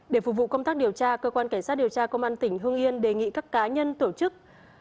để phục vụ công tác điều tra cơ quan cảnh sát điều tra công an tỉnh hương yên đề nghị các cá nhân tổ chức